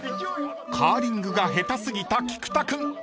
［カーリングが下手過ぎた菊田君］